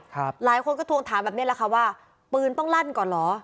หลายคนก็ทวงถามแบบนี้แหละค่ะว่าปืนต้องลั่นก่อนเหรอ